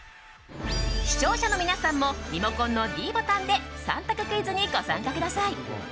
視聴者の皆さんもリモコンのｄボタンで３択クイズにご参加ください。